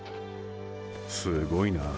すごいな。